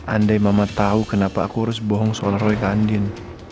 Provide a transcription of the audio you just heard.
andai mama tahu kenapa aku harus bohong soal roy ke andin